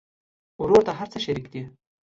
ورور ته هر څه شريک دي.